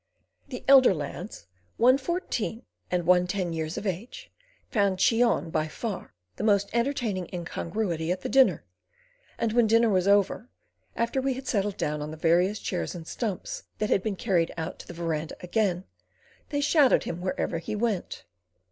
The elder lads, one fourteen and one ten years of age, found Cheon by far the most entertaining incongruity at the dinner, and when dinner was over—after we had settled down on the various chairs and stumps that had been carried out to the verandah again—they shadowed him wherever he went.